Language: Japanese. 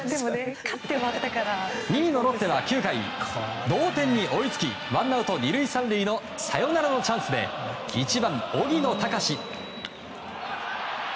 ２位のロッテは９回同点に追いつきワンアウト２塁３塁のサヨナラのチャンスで１番、荻野貴司。